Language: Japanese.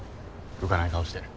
浮かない顔して。